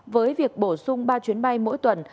với việc bổ sung ba chuyến bay mỗi tuần